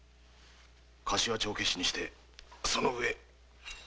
貸しは帳消しにしその上。